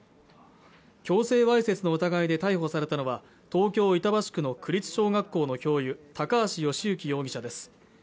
強制わいせつの疑いで逮捕されたのは東京板橋区の区立小学校の教諭高橋慶行容疑者です